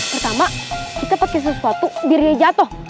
pertama kita pakai sesuatu biar dia jatuh